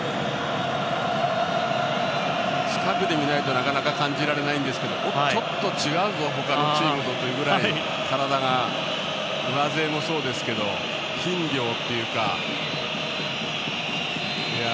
近くで見ないとなかなか感じられないんですけどちょっと違うぞ他のチームとというぐらい体が上背もそうですけど筋量というか。